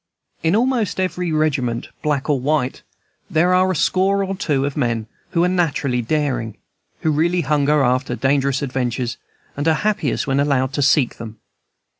In almost every regiment, black or white, there are a score or two of men who are naturally daring, who really hunger after dangerous adventures, and are happiest when allowed to seek them.